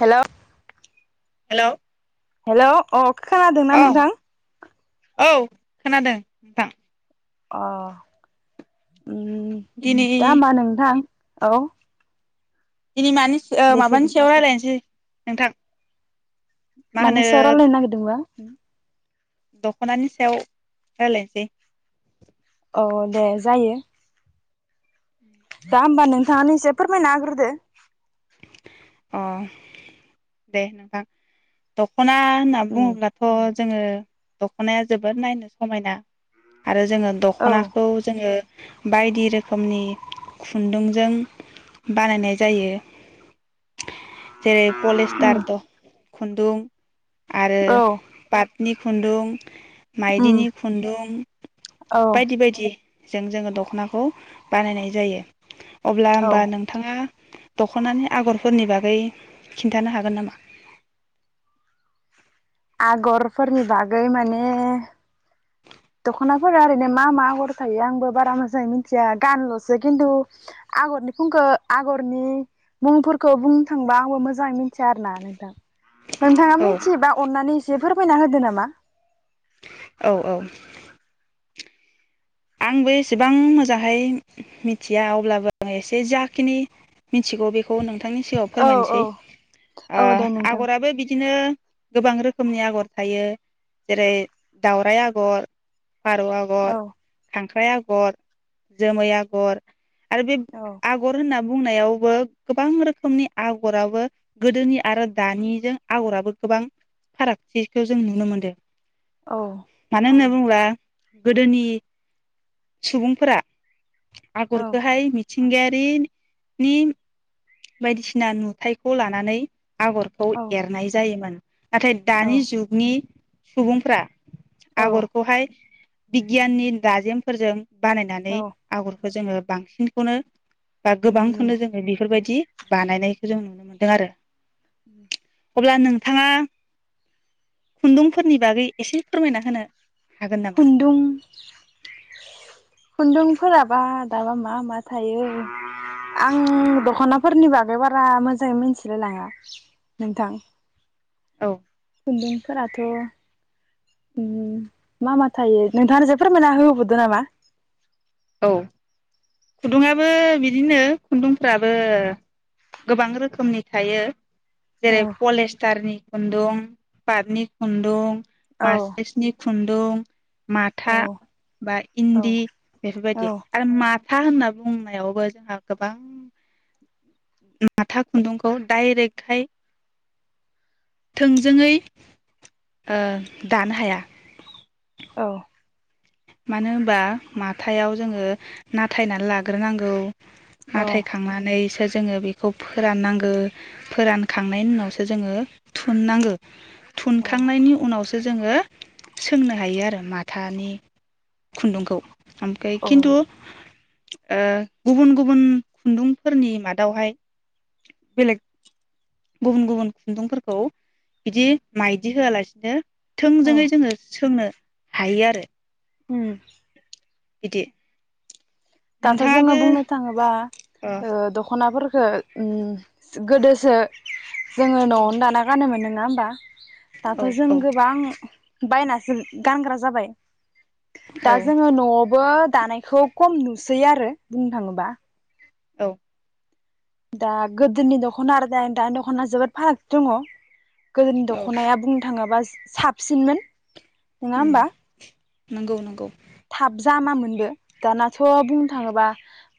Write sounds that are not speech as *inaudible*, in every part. Hello. Hello. Hello अ। खोनादोंना औ नोंथां? औ खोनादों नोंथां। अ। ओम दिनै दा होमबा नोंथां औ। दिनै मानि ओ बेसे माबानि सायाव रायलायनोसै नोंथां। मा होनो माने सायाव लारायनो नागिरदोंबा? *inaudible* दख'नानि सायाव रायलायनोसै। औ दे जायो। दा ओमबा नोंथाङानो इसे फोरमायना होग्रोदो। अ दे नोंथां द खना होनना उम बुङोब्लाथ' जोङो दख'नाया जोबोद नायनो समायना आरो जोङो औ दख'नाखौ जोङो बायदि रोखोमनि खुन्दुंजों बानायनाय जायो। जेरै उम पलेस्टार द' खुन्दुं। आरो औ पाट नि खुन्दुं। उम माइदिनि खुन्दुं औ बायदि बायदि। जों जोङो दख'नाखौ बानायनाय जायो। अब्ला औ होमबा नोंथाङा दख'नानि आगरफोरनि बागै खिन्थानो हागोन नामा? आगरफोरनि बागै माने दख'नाफोरा ओरैनो मा मा आगर थायो आंबो बारा मोजाङै मिथिया गानल'सो खिन्थु आगरनि फुंखौ आगरनि मुंफोरखौ बुंनो थांबा आंबो मोजाङै मिथिया आरोना नोंथां। नोंथाङा औ मिथिबा अननानै इसे फोर मायना होदो नामा? औ औ। आंबो एसेबां मोजाङाहै मिथिया अब्लाबो आं एसे जाखिनि मिथिगौ बेखौ नोंथांनि सिगाङाव औ औ फोरमायनोसै ओ औ दे नोंथां। आगराबो बिदिनो गोबां रोखोमनि आगर थायो जेरै दावराइ आगर फारौ आगर औ खांख्राइ आगर, जोमै आगर आरो बे औ आगर होनना बुंनायावबो गोबां रोखोमनि आगराबो गोदोनि आरो दानिजों आगराबो गोबां फारागथिखौ जों नुनो मोनदो। औ मानो होनना बुं बा गोदोनि सुबुंफोरा औ आगरखोहाय मि मिथिंगायारिनि बायदिसिना नुथायखौ लानानै आगरखौ औ एरनाय जायोमोन। नाथाय औ दानि जुगनि सुबुंफ्रा औ आगरखौहाय बिगियाननि दाजेमफोरजों बानायनानै औ आगर खौ जोङो बांसिनखौनो बा गोबांखौनो जोङो बेफोरबायदि बानायनायखौ जों नुनो मोन्दों आरो *inaudible* अब्ला नोंथाङा खुन्दुंफोरनि बागै एसे फोरमायना होनो हागोन नामा? खुन्दुं खुन्दुं फोराबा दाबा मा मा थायो? आं दख'ना फोरनि बागै बारा मोजाङै मिथिलाय लाङा नोंथां। औ। खुन्दुंफोराथ' उम्म मा मा थायो नोंथाङानो फोरमायना होबोदो नामा? औ खुदुंआबो बिदिनो खुन्दुंफ्राबो गोबां रोखोमनि थायो। औ जेरै पलिस्टारनि खुन्दुं पाटनि खुन्दुं औ मासस्रायनि खुन्दुं औ माथा बा औ इन्दि औ बेफोरबायदि आरो मा माथा होनना बुंनायावबो जोंहा गोबां माथा खुन्दुंखौ डायरेक्टहाय थोंजोङै दानो हाया। औ मानो होनबा माथायाव जोङो नाथायनानै लाग्रोनांगौ। औ नाथाय खांनानै सो जोङो बेखौ फोराननांगौ फोरानखांनायनि उनावसो जोङो थुननांगो थुनखांनायनि उनाव जोङो सोंनो हायो आरो माथानि खुन्दुंखौ ओमफ्राय औ खिन्थु गुबुन गुबुन खुन्दुंफोरनि मादावहाय बेलेग गुबुन गुबुन खुन्दुंफोरखौ बिदि माइदि होआलासिनो औ थोंजोङै जोङो सोंनो हायो आरो। उम इदि दाथ जोङो बुंनो थाङोबा ओ दखनाफोरखो उम गोदोसो जोङो नआवनो दाना गानोमोन नङा होमबा? दाथ औ जों औ गोबां बायनासो गानग्रा जाबाय दा औ जोङो नआवबो दानायखौ खम नु सै आरो बुंनो थाङोबा औ दा गोदोनि दखना आरो दा दानि दख'ना जोबोद फाराग दङ। गोदोनि औ दखनाया बुं थाङोबा साबसिनमोन नङा उम होमबा नंगौ नंगौ थाब जामामोनबो दानाथ बुंनो थाङोबा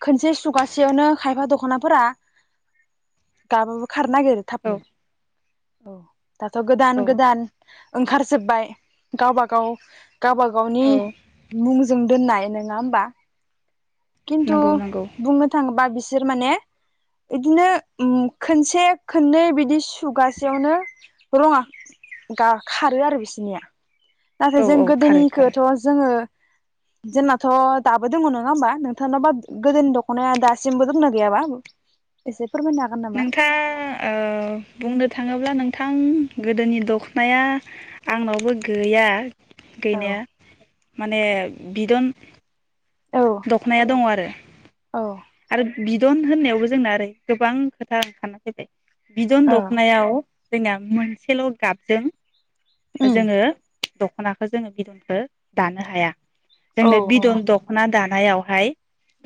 खनसे सुगासेयावनो खायफा दखनाफोरा गाब खारनो नागिरो औ थाबनो। औ दाथ गोदान औ गोदान ओंखारजोब्बाय गावबा गाव गावबागावनि औ जों दोननाय नङा होमबा? खिन्थु नंगौ नंगौ बुंनो थाङोबा बिसे बिसोर माने बिदिनो ओ खोनसे खननै बिदि सुगासेयावनो रङा गा खारो आरो बिसोरनिया नाथाय औ जों औ खारो खारो गोदोनिखौथ जोङो जोंनाथ दाबो दङ नङा होमबा नोंथांनाबा गोदोनि दख'नाया दासिमबो दंना गैयाबा एसे फोरमायनो हागोन नामा नोंथाङा ओ बुंनो थाङोब्ला नों थां गोदोनि दखनाया आंनावबो गैया औ गैनाया माने बिदन औ दखनाया दङ आरो औ आरो बिदन होननायावबो जोंना ओरै गोबां खोथा ओंखारा फैबाय बिदध ओ दखनायाव जोंना मोनसेल' गाबजों उम जोङो दख'नाखौ जोङो बिदनखौ दानो हाया। औ जोंनो औ बिदन दख'ना दा थानायावहाय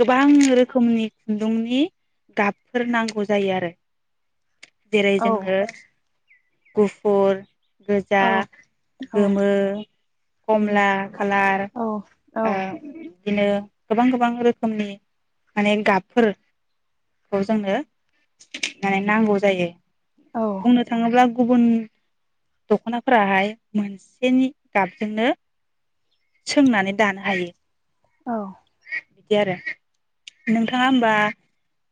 गोबां रो खुनि खुन्दुंनि गाबफोर नांगौ जायो आरो जेरै औ जोङो गुफुर गोजा, औ औ गोमो, खमला खालार ओ बिदिनो गोबां गोबां रोखोमनि माने गाबफोरखौ जोंनो माने नांगौ जायो। बुंनो थाङोब्ला गुबुन दख'नाफोराहाय मोनसेनि गाबजोंनो सोंनानै दानो हायो। औ बिदि आरो नोंथाङा होमबा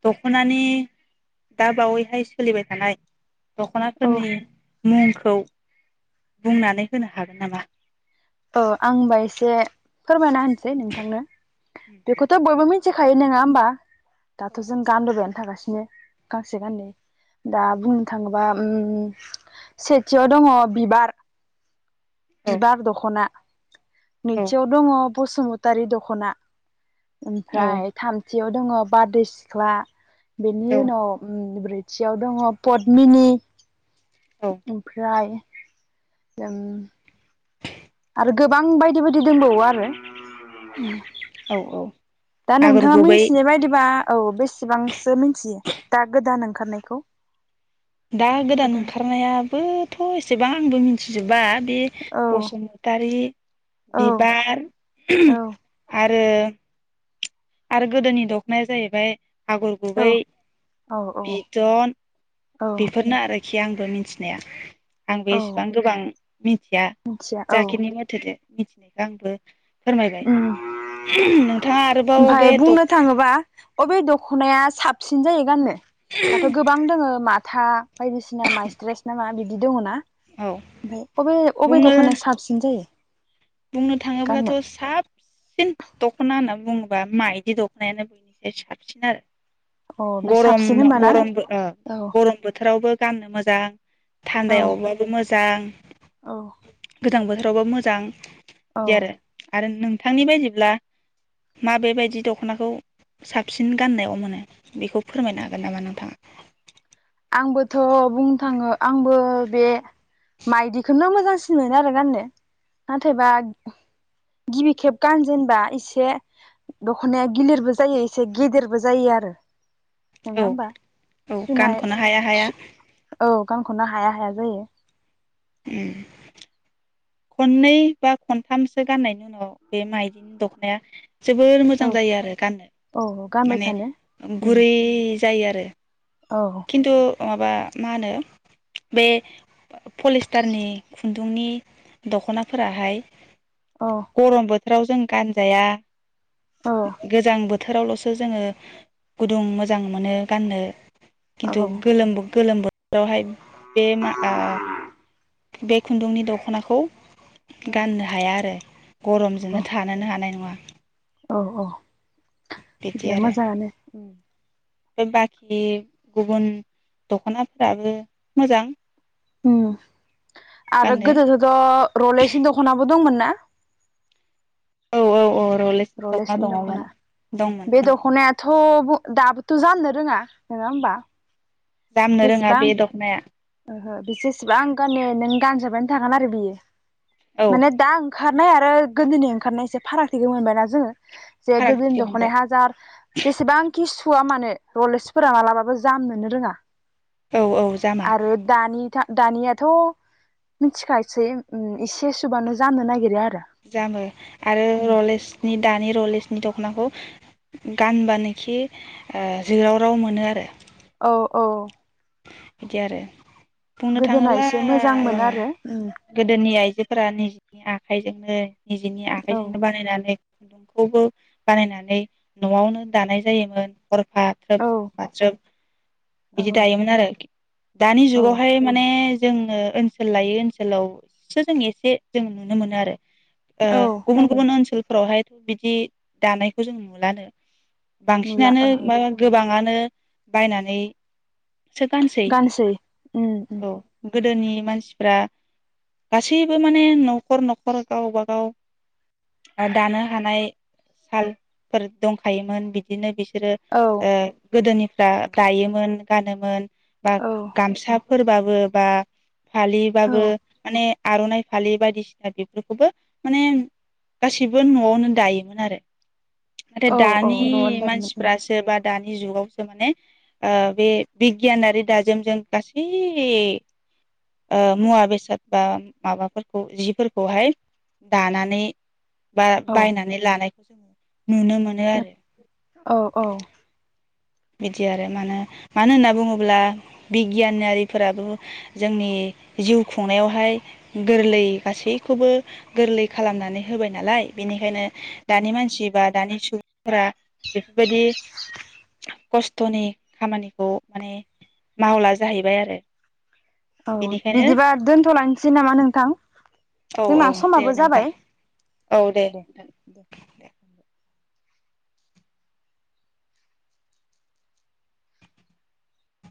दख'नानि दा बावैहाय सोलिबाय थानाय औ दख'नाफोरनि मुंखौ बुंनानै होनो हागोन नामा? औ आं होनबा एसे फोरमायना होनो सै नोंथांनो बेखौथ' बयबो मि थिखायो नङा होमबा दाथ' जों गानबोबायानो थागासिनो गांसे गाननै दा बुंनो थाङोबा उम सेथियाव दङ बिबार औ बिबार दखा ना औ नैथियाव दङ बसुमतारि दख'ना औ ओमफ्राय थामथि खाथियाव दङ बारदै सिख्ला बेनि उनाव उम खाथियाव दङ पदमिनि औ ओमफ्राय जोम गोबां बायदि बायदि दंबावो आरो उम औ औ। दा आगर नोंथाङा गुबै मिथिनाय बायदिबा औ बे सेबांसो मिथियो दा गोदान ओं खारनायखौ। दा गोदान ओंखारनायाबोथ' एसेबां आंबो मिथिजोबा बे औ बसुमतारी, औ बिबार, औ आ रो आरो गोदोनि दखनाया जाहैबाय आगर औ गुबै औ औ बिदन औ बेफोरनो आरो खि आंबो मिथिनाया। आं बे औ एसेबां गोबां मिथिया मिथिया औ जा खिनि मथ'थिदो मिथिनायखो आंबो फोरमायबाय नोंथाङा आरोबाव ओमफ्राय बे बुंनो दख थाङोबा अबे दख'नाया साबसिन जायो गाननो? दाथ' गोबां दोङो मा था बायदिसिना मास्रेस ना मा बि दि दङ ना औ ओमफाय अबे अबे बुंनो दख'नाया साबसिन जायो। बुंनो गाननो थाङोब्लाथ' साबसिन दख'ना होनना बुङोबा माइदि दख'नायानो बयनिफ्राय साबसिन आरो। अ बे गरम साबसिन होनबाना गरम ओ औ गरम बोथोरावबो गाननो मोजां औ थान्दायावबाबो मो जां औ। गोजां बोथोरावबाबो मोजां औ दि आरो आरो नों थांनि बायदिब्ला माबेबायदि दख'नाखौ साबसिन गाननायाव मोनो बेखौ फोरमायनो हागोन नामा नोंथाङा आंबोथ' बुंनो थाङो आंबो बे माइदिखौनो मोजांसिन मोनो आरो गाननो नाथायबा गिबि खेब गानजेनबा एसे दख'नाया गिलिरबो जायो एसे गेदेरबो जायो आरो नङा औ होमबा औ सुनाय गानख'नो हाया हाया औ गांखौनो हाया हाया जायो। उम खननै बा खनथामसो गाननायनि उनाव बे माइदिनि दख'नाया जोबोर मोजां औ जायो आरो गाननो औ गानबाय माने थानो उम गुरै जायो आरो औ *inaudible* खिन्थु माबा मा होनो बे पलिस्टारनि खुन्दुंनि दख'नाफोराहाय औ गरमबो बोथोराव जों गानजाया गोजां बोथोर बोथोरावल'सो जोङो गुदुं मोजां मोनो गाननो खिन्थु औ गोलोमबो गोलोम बो जावहाय बेे मागा बे खुन्दुंनि दख'नाखौ गाननो हाया आरो गरमजोंनो औ थानोनो हानाय नङा औ औ बिदिया मोजाङानो। बे बाखि गुबुन दख'नाफोराबो मोजां। उम आरो गाननो गोदोथ' रलेसनि दख'नाबो दंमोन ना? औ औ औ रलेक्सनि रलेजनि दङमोन दख'ना दंमोन बे दंमोन दख'नायाथ' बु दाबोथ' जाननो रोङा नङा ओमबा? जामनो रोङा बे दख'नाया। ओहो बे जसेबां गान नों गानजाबानो थागोन आरो बियो। औ माने दा ओंखारनाय आरो आरो गोदोनि ओंखारनाय एसे फारागथिखौ मोनबाय ना जोङो। जे गोदोनि फारागथिखौ मोनबाय दख'नाय हाजार जेसेबांखि सु सुवा मानो रलेसफोरा मालाबाबो जामनोनो रोङा। औ औ जामा आरो दानि दानियाथ' मिथिखायासै एसे सुबानो जामनो नागिरो आर जामो आरो रलेजनि दानि रलेजनि दख'नाखौ गानबानोखि ओ जोराव राव मोनो आरो औ औ इदि आरो बुंनो गोदोना थाङोब्ला एसे ओ मोजांमोन आरो गोदोनि आइज आयजोफोरा निजनि आखाइजोंनो निजेनि औ आखाइजोंनो बानायनानै खुन्दुंखौबो बानायनानै न'आवनो दानाय जायोमोन हरफा थ्रोब औ सानफा थ्रोब औ बिदि दायोमोन आरोखि दानि औ जुगावहाय माने जोङो ओनसोल लायै ओनसोलावसो जों एसे जों नुनो मोनो आरो ओ औ गुबुन गुबुन अनसोल फोरावहायथ' बिदि दानायखौ जों नुलानो। नुला बांसिनानो ओहो मा गोबाङान ओ बायनानै गानसै उम उम औ गोदोनि मानसिफ्रा गासैबो माने न'खर न'खर गावबाागाव दानो हानाय सालफोर दंखायोमोन बिदिनो बिस बिसोरो औ ओ गोदोनि दा दायोमोन गानोमोन बा औ गामसा फोरबाबो बा फालिबाबो औ माने आर'नाइ फालि बायदिसिना बेफोरखौबो माने गासैबो न'आवनो दायोमोन आरो नथाय औ औ दानि न'आवनो दायोमोन मानसिफ्रासो बा दानि जुगावसो माने आ बे बिगियानारि दाजोमजों गासै ओ मुवा बेसाद बा माबाफोरखौ जिफोरखौहाय दानानै बा औ बायनानै लानाय जोङो नुनो मोनो औ औ आरो बिदि आरो मानो मानो होनना बुङोब्ला बिगियानारिफोराबो जोंनि जिउ खुंनायावहाय गोरलै गासैखौबो गोरलै खालामनानै होबाय नालाय बेनिखायनो औ दानि मानसि बा दानिश सु फोरा बेफोरबायदि खस्थ'नि खामानिखौ माने मावला जाहैबाय आरो औ बेनिखायनो बिदिबा दोनथ'लायनोसै नामा नोंथां औ औ जोंना दे समाबो नोंथां जाबाय औ दे दे